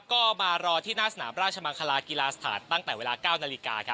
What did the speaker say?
ก็มารอที่หน้าสนามราชมังคลากีฬาสถานตั้งแต่เวลา๙นาฬิกา